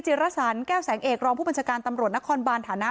จิรศรแก้วแสงเอกรองผู้บันจการตำรวจนครบานฐาณ